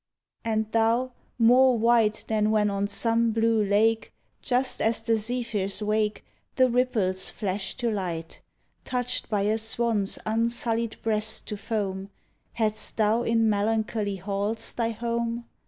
And thou, more white Than when on some blue lake, Just as the zephyrs wake. The ripples flash to light — Touched by a swan's unsullied breast to foam, Hadst thou in melancholy halls thy home?